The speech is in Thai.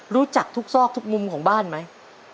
รู้จักทุกซอกทุกมุมของบ้านไหม